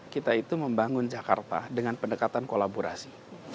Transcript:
kita itu membangun jakarta dengan pendekatan kolaborasi